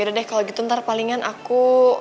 yaudah deh kalo gitu ntar palingan aku